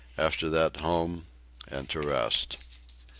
After that home and to rest.